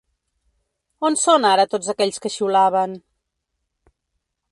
On són ara tots aquells que xiulaven?